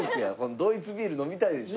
ドイツビール飲みたいでしょ